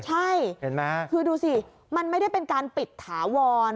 ใช่คือดูสิมันไม่ได้เป็นการปิดถาวร